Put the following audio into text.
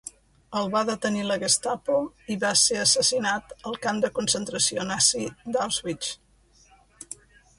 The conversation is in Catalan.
El va detenir la Gestapo i va ser assassinat al camp de concentració nazi d'Auschwitz.